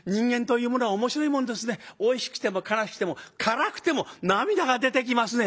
おいしくても悲しくても辛くても涙が出てきますね」。